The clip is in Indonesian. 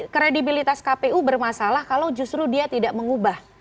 kredibilitas kpu bermasalah kalau justru dia tidak mengubah